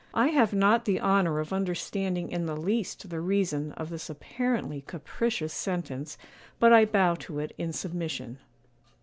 I have not the honour of understanding in the least the reason of this apparently capricious sentence, but I bow to it in submission.